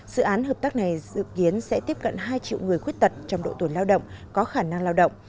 dự án hợp tác này dự kiến sẽ tiếp cận hai triệu người khuyết tật trong độ tuổi lao động có khả năng lao động